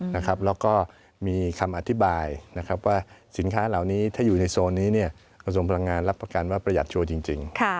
แล้วก็มีคำอธิบายนะครับว่าสินค้าเหล่านี้ถ้าอยู่ในโซนนี้กระทรวงพลังงานรับประกันว่าประหยัดโชว์จริง